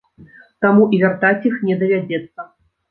Таму і вяртаць іх не давядзецца.